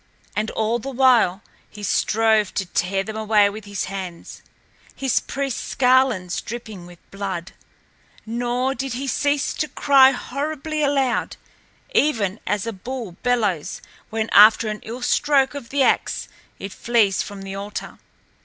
And all the while he strove to tear them away with his hands, his priest's garlands dripping with blood. Nor did he cease to cry horribly aloud, even as a bull bellows when after an ill stroke of the axe it flees from the altar.